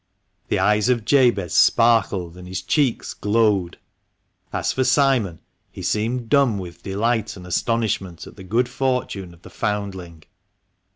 The eyes of Jabez sparkled and his cheeks glowed. As for Simon, he seemed dumb with delight and astonishment at the good fortune of the foundling.